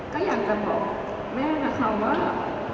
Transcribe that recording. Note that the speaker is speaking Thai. ก็อยากจะบอกแม่นะคะว่า